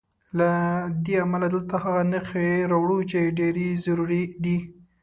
له دې امله دلته هغه نښې راوړو چې ډېرې ضروري دي.